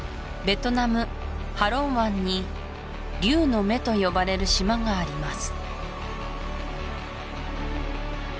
ベトナムハロン湾に竜の目と呼ばれる島があります